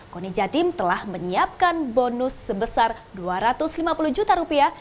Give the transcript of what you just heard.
koni jatim telah menyiapkan bonus sebesar dua ratus lima puluh juta rupiah